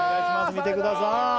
見てください！